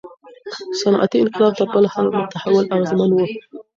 صنعتي انقلاب تر بل هر تحول اغیزمن و.